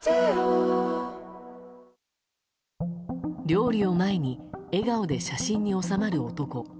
料理を前に笑顔で写真に収まる男。